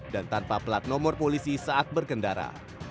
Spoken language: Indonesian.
dan tanpa plat nomor polisi saat berkendara